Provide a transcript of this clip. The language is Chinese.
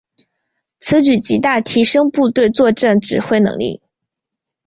此举极大提升部队作战指挥能力。